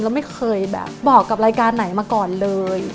แล้วไม่เคยบอกกับรายการไหนมาก่อนเลย